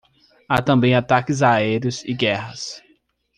Há também ataques aéreos e guerras